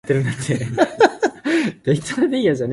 杯野淡過師姑尿